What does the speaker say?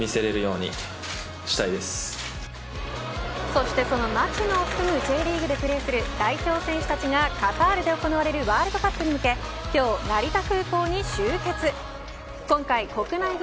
そしてその町野を含むＪリーグでプレーする代表選手たちがカタールで行われるワールドカップに向け今日、成田空港に集結。